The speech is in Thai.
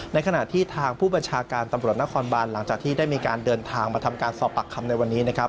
ในขณะที่ทางผู้บัญชาการตำรวจนครบานหลังจากที่ได้มีการเดินทางมาทำการสอบปากคำในวันนี้นะครับ